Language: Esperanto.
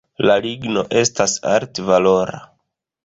La ligno estas alt-valora.